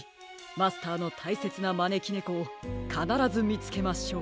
マスターのたいせつなまねきねこをかならずみつけましょう！